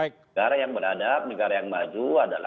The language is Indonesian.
negara yang beradab negara yang maju adalah